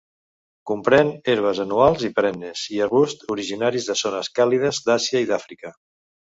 Comprèn herbes anuals i perennes i arbusts originaris de zones càlides d'Àsia i Àfrica.